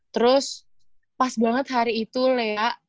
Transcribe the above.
terus pas banget hari itu lea